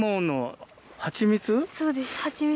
そうです。